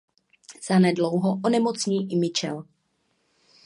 Zanedlouho onemocní i Mitchell.